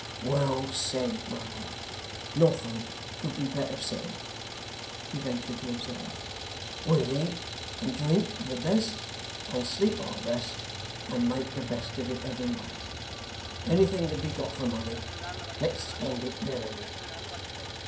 'Well said, brother; nothing could be better said,' he ventured to observe. 'We'll eat and drink of the best, and sleep our best, and make the best of it every way. Anything can be got for money. Let's spend it merrily.